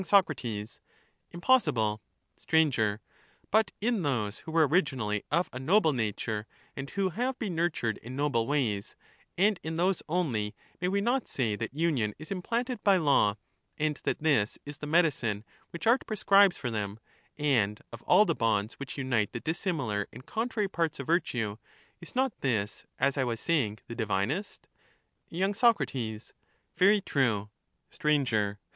Soc. Impossible. Str. But in those who were originally of a noble nature, 310 and who have been nurtured in noble ways, and in those only, may we not say that union is implanted by law, and that this is the medicine which art prescribes for them, and of all the bonds which unite the dissimilar and contrary parts of virtue is not this, as I was saying, the divinest? Y. Soc. Very true. Str.